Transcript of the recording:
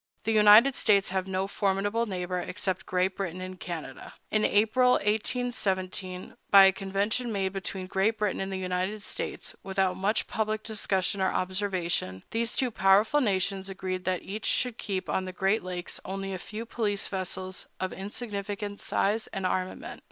The United States have no formidable neighbor, except Great Britain in Canada. In April, 1817, by a convention made between Great Britain and the United States, without much public discussion or observation, these two powerful nations agreed that each should keep on the Great Lakes only a few police vessels of insignificant size and armament.